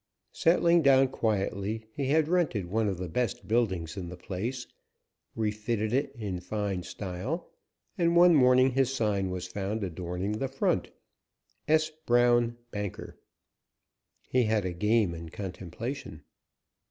Settling down quietly, he had rented one of the best buildings in the place, refitted it in fine style, and one morning his sign was found adorning the front S. Brown, Banker. He had a game in contemplation.